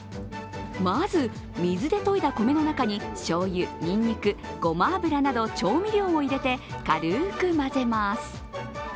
まず、水でといた米の中にしょうゆ、にんにく、ごま油など調味料を入れて軽く混ぜます。